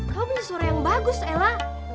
kau punya suara yang bagus ella